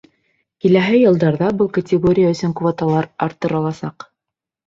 Киләһе йылдарҙа был категория өсөн квоталар арттыраласаҡ.